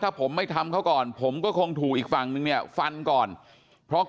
ถ้าผมไม่ทำเขาก่อนผมก็คงถูกอีกฝั่งนึงเนี่ยฟันก่อนเพราะ